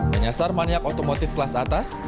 menyasar maniak otomotif kelas atas